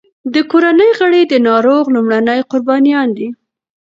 د کورنۍ غړي د ناروغ لومړني قربانیان دي.